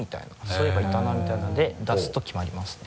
そういえばいたなみたいなので出すときもありますね。